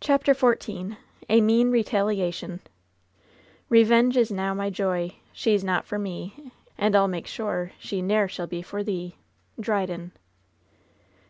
CHAPTER XIV A MEAN BETALIATIOK' Revenge is now my joy. She's not for me, And I'll make sure, she ne'er shall be for thee. — ^Dbydbn.